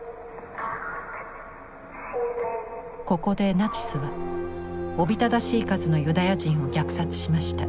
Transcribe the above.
ここでナチスはおびただしい数のユダヤ人を虐殺しました。